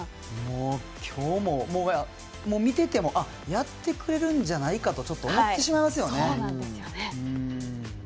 今日も見ててもやってくれるんじゃないかとちょっと思ってしまいますよね。